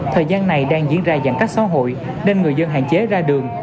thời gian này đang diễn ra giãn cách xã hội nên người dân hạn chế ra đường